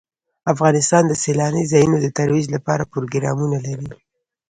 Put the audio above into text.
افغانستان د سیلاني ځایونو د ترویج لپاره پروګرامونه لري.